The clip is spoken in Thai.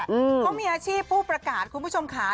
เขามีอาชีพผู้ประกาศคุณผู้ชมค่ะ